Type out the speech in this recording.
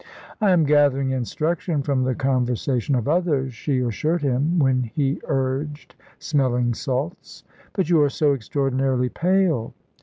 "I am gathering instruction from the conversation of others," she assured him, when he urged smelling salts. "But you are so extraordinarily pale."